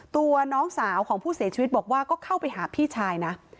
ตัวน้องสาวของผู้เสียชีวิตบอกว่าก็เข้าไปหาพี่ชายนะ